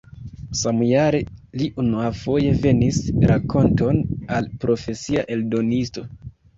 Samjare li unuafoje venis rakonton al profesia eldonisto.